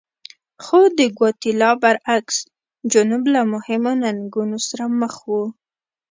خو د ګواتیلا برعکس جنوب له مهمو ننګونو سره مخ و.